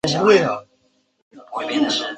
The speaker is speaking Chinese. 成鱼与幼鱼体色差异不大。